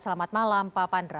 selamat malam pak pandra